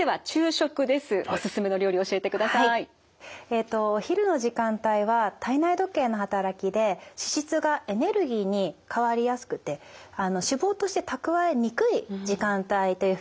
えとお昼の時間帯は体内時計の働きで脂質がエネルギーに変わりやすくて脂肪として蓄えにくい時間帯というふうにいわれているんですね。